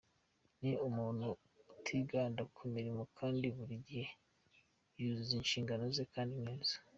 Ni umuntu utiganda ku murimo kandi buri gihe yuzuza inshingano ze kandi neza.